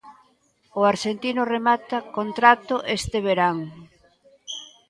O arxentino remata contrato este verán.